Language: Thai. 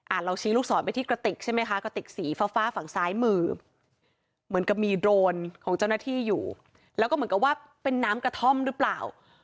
เราชี้ลูกศรไปที่กระติกใช่ไหมคะกระติกสีฟ้าฟ้าฝั่งซ้ายมือเหมือนกับมีโดรนของเจ้าหน้าที่อยู่แล้วก็เหมือนกับว่าเป็นน้ำกระท่อมหรือเปล่า